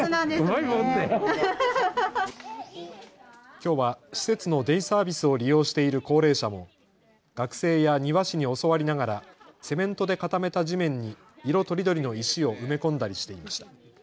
きょうは施設のデイサービスを利用している高齢者も学生や庭師に教わりながらセメントで固めた地面に色とりどりの石を埋め込んだりしていました。